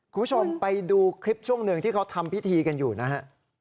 คุณผู้ชมไปดูคลิปช่วงหนึ่งที่เขาทำพิธีกันอยู่นะฮะ